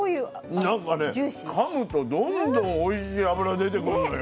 なんかねかむとどんどんおいしい脂出てくんのよ。